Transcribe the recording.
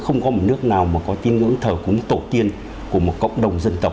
không có một nước nào mà có tín ngưỡng thờ cúng tổ tiên của một cộng đồng dân tộc